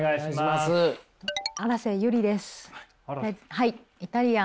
はい。